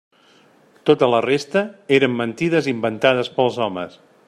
Tota la resta eren mentides inventades pels homes.